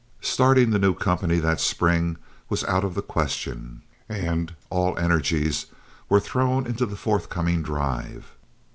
Starting the new company that spring was out of the question, and all energies were thrown into the forthcoming drive.